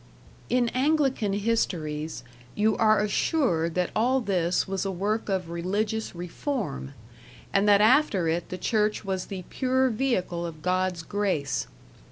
In Anglican histories, you are assured that all this was a work of religious reform, and that after it the Church was the pure vehicle of God's grace.